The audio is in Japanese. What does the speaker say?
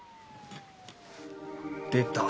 出た。